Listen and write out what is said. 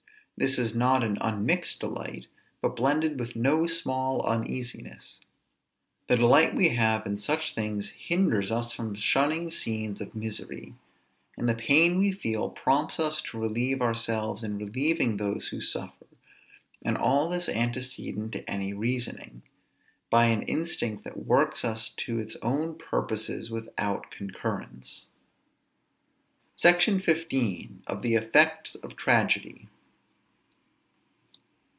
This is not an unmixed delight, but blended with no small uneasiness. The delight we have in such things hinders us from shunning scenes of misery; and the pain we feel prompts us to relieve ourselves in relieving those who suffer; and all this antecedent to any reasoning, by an instinct that works us to its own purposes without our concurrence. SECTION XV. OF THE EFFECTS OF TRAGEDY.